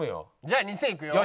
じゃあ２０００いくよ。